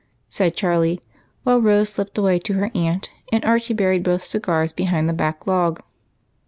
said Charlie, while Rose slipped away to her aunt, and Archie buried both cigars behind the back log.